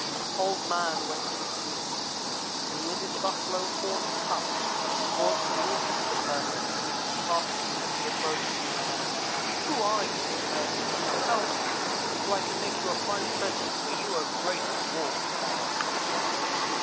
"Old man went to the creek, and with his buffalo horn cup brought some water to the Person, asking as he approached: "'Who are you, Person? Tell me, so I can make you a fine present, for you are great in war.'